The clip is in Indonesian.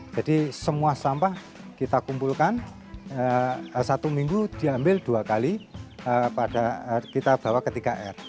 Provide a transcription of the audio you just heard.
jadi semua sampah kita kumpulkan satu minggu diambil dua kali pada kita bawa ke tps tiga r